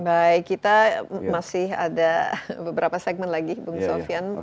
baik kita masih ada beberapa segmen lagi bung sofian